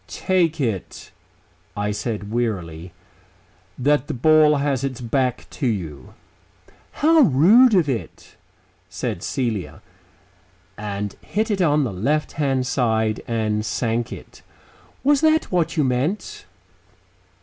"Take it," I said wearily, "that the ball has its back to you." "How rude of it," said Celia, and hit it on the left hand side, and sank it. "Was that what you meant?"